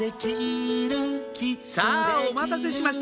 ・さぁお待たせしました